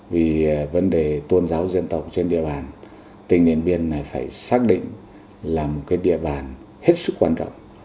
vì vấn đề tôn giáo dân tộc trên địa bàn tỉnh điện biên phải xác định là một địa bàn hết sức quan trọng